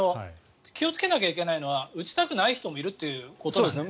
気をつけないといけないのは打ちたくない人もいるということですよね。